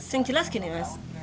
yang jelas gini mas